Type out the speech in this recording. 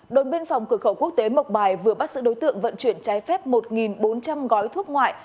đồn biên phòng cửa khẩu quốc tế mộc bài vừa bắt giữ đối tượng vận chuyển trái phép một bốn trăm linh gói thuốc ngoại